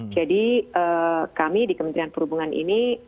jadi kami di kementerian perhubungan ini